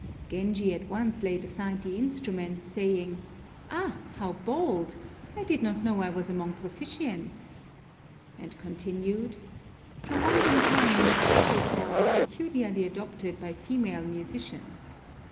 Genji at once laid aside the instrument, saying: "Ah, how bold! I did not know I was among proficients," and continued, "From olden time the soh koto was peculiarly adopted by female musicians.